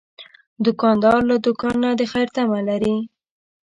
دوکاندار له دوکان نه د خیر تمه لري.